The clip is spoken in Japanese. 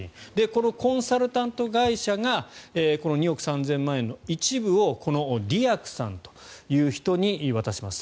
このコンサルタント会社が２億３０００万円の一部をこのディアクさんという人に渡します。